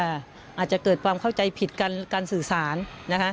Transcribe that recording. อาจจะเกิดความเข้าใจผิดกันการสื่อสารนะคะ